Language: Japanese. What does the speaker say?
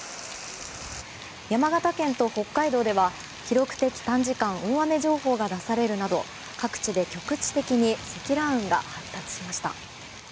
山形県と北海道では記録的短時間大雨情報が出されるなど各地で局地的に積乱雲が発達しました。